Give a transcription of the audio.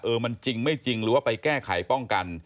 มันจริงไม่จริงหรือว่าไปแก้ไขป้องกัน